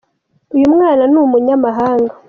uyumwana numunyamahanga